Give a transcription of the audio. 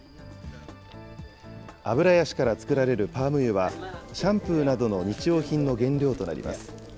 アブラヤシから作られるパーム油はシャンプーなどの日用品の原料となります。